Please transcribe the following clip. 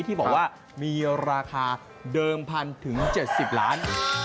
ที่บอกว่ามีราคาเดิมพันถึง๗๐ล้าน